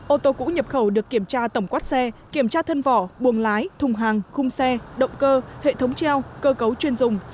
ô tô cũ nhập khẩu được kiểm tra tổng quát xe kiểm tra thân vỏ buồng lái thùng hàng khung xe động cơ hệ thống treo cơ cấu chuyên dùng